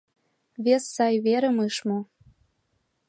Вес сай верым ыш му.